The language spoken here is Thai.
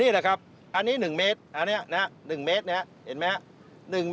นี่แหละครับอันนี้๑เมตรอันนี้นะ๑เมตรนะเห็นไหม